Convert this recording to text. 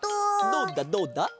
どうだどうだ？